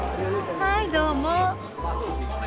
はいどうも。